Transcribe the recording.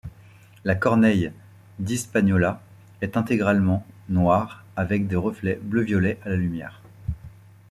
La Corneille d’Hispaniola est intégralement noire, avec des reflets bleu-violet à la lumière.